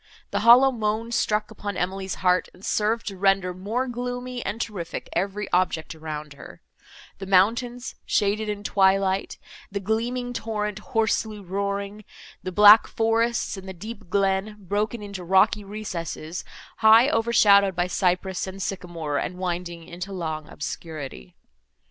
The hollow moan struck upon Emily's heart, and served to render more gloomy and terrific every object around her,—the mountains, shaded in twilight—the gleaming torrent, hoarsely roaring—the black forests, and the deep glen, broken into rocky recesses, high overshadowed by cypress and sycamore and winding into long obscurity.